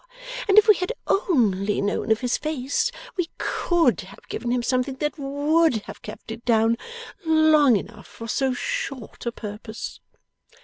And if we had ONLY known of his face, we COULD have given him something that would have kept it down long enough for so SHORT a purpose.